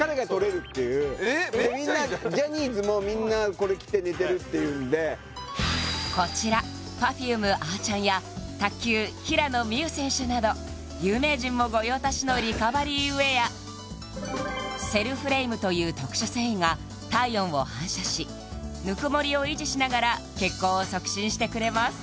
これ着るだけでこちらＰｅｒｆｕｍｅあちゃんや卓球平野美宇選手など有名人も御用達のリカバリーウェアセルフレイムという特殊繊維が体温を反射しぬくもりを維持しながら血行を促進してくれます